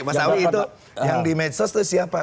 mas awi itu yang di medsos itu siapa